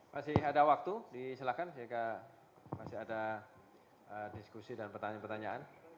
masih ada waktu disilakan jika masih ada diskusi dan pertanyaan pertanyaan